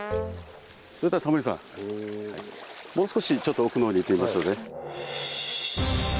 それではタモリさんもう少し奥の方に行ってみましょうね。